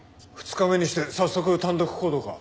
２日目にして早速単独行動か。